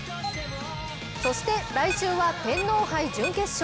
そして来週は天皇杯準決勝！